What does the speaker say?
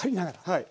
はい。